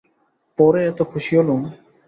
পড়ে এত খুশি হলুম।